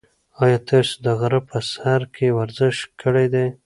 ایا تاسي د غره په سر کې ورزش کړی دی؟